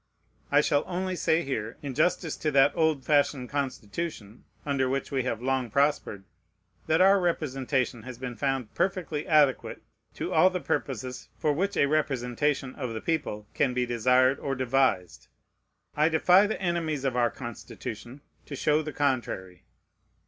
I shall only say here, in justice to that old fashioned Constitution under which we have long prospered, that our representation has been found perfectly adequate to all the purposes for which a representation of the people can be desired or devised. I defy the enemies of our Constitution to show the contrary.